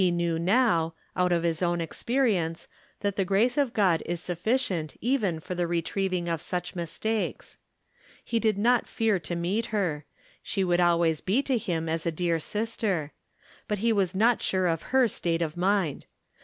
355 knew now, out of his own experience, that the grace of God is sufficient even for the retrieving of such mistakes. He did not fear to meet her ; she would always be to him as a dear sister ; but he was not sure of her state of mind.